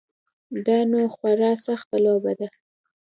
دا نو خورا سخته لوبه ده.